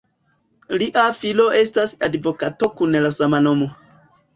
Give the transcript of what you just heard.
Lia filo estas advokato kun la sama nomo.